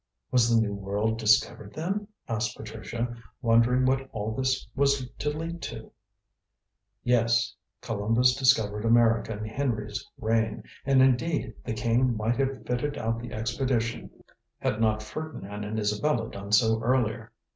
"Was the New World discovered then?" asked Patricia, wondering what all this was to lead to. "Yes. Columbus discovered America in Henry's reign, and, indeed, the King might have fitted out the expedition had not Ferdinand and Isabella done so earlier.